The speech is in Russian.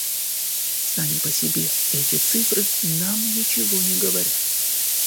Сами по себе эти цифры нам почти ничего не говорят.